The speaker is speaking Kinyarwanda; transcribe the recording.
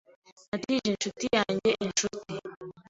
Natije inshuti yanjye inshuti.